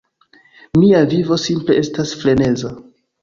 Mia vivo simple estas freneza